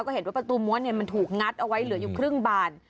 ก็เห็นว่าประตูม้วนมันถูกงัดเอาไว้เหลืออยู่ครึ่งบาน